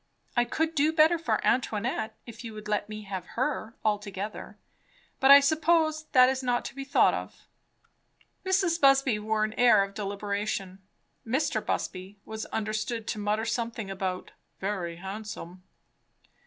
I could do better for Antoinette, if you would let me have her altogether; but I suppose that is not to be thought of." Mrs. Busby wore an air of deliberation. Mr. Busby was understood to mutter something about "very handsome."